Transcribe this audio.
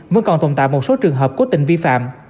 vẫn còn tồn tại một số trường hợp cố tình vi phạm